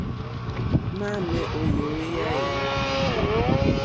Mamɛ̀ o yɔ̀eyà e?